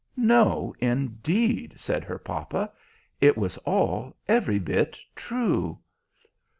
"No, indeed!" said her papa. "It was all every bit true!"